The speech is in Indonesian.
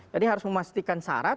jadi harus memastikan syarat